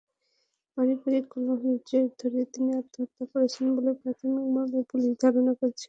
পারিবারিক কলহের জের ধরে তিনি আত্মহত্যা করেছেন বলে প্রাথমিকভাবে পুলিশ ধারণা করছে।